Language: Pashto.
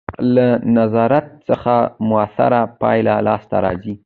له نظارت څخه مؤثره پایله لاسته راځي.